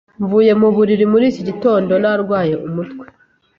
Mvuye mu buriri muri iki gitondo, narwaye umutwe.